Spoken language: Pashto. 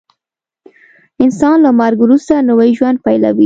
انسان له مرګ وروسته نوی ژوند پیلوي